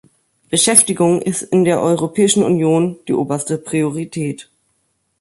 Beschäftigung ist in der Europäischen Union die oberste Priorität.